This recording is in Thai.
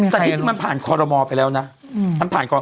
แต่ที่มันผ่านคอรมอไปแล้วนะ